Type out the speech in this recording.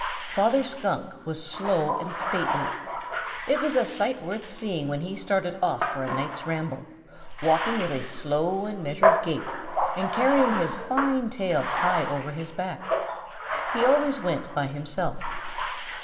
Father Skunk was slow and stately. It was a sight worth seeing when he started off for a night's ramble, walking with a slow and measured gait and carrying his fine tail high over his back. He always went by himself.